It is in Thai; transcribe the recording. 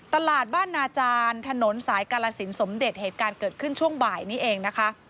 ตลาดบ้านนาจารย์ถนนสายกาลสินสมเด็จเหตุการณ์เกิดขึ้นช่วงบ่ายนี้เองนะคะ